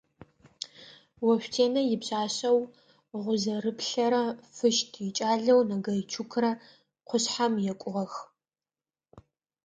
Ошъутенэ ипшъашъэу Гъузэрыплъэрэ Фыщт икӏалэу Нагайчукрэ къушъхьэм екӏугъэх.